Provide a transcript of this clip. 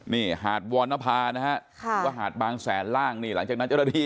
นี่หาดวรณภานะฮะหรือว่าหาดบางแสนล่างนี่หลังจากนั้นเจ้าหน้าที่